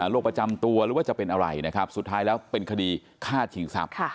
ประจำตัวหรือว่าจะเป็นอะไรนะครับสุดท้ายแล้วเป็นคดีฆ่าชิงทรัพย์